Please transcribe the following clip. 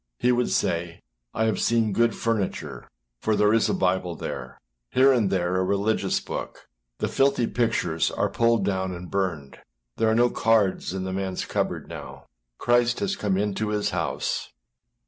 â he would say, âI have seen good furniture, for there is a Bible there; here and there a religious book; the filthy pictures are pulled down and burned; there are no cards in the manâs cupboard now; Christ has come into his house.